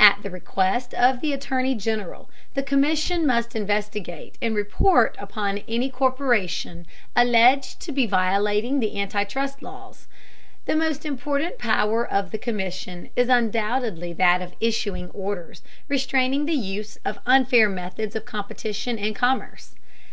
At the request of the Attorney General, the Commission must investigate and report upon any corporation alleged to be violating the anti trust laws. The most important power of the Commission is undoubtedly that of issuing orders restraining the use of "unfair methods of competition in commerce."